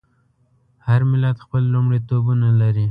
هر ملت خپل لومړیتوبونه لري.